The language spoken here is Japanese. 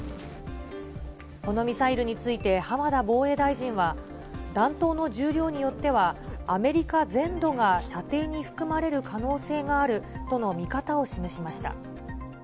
このミサイルについて、浜田防衛大臣は、弾頭の重量によってはアメリカ全土が射程に含まれる可能性があるとの見方を示しました。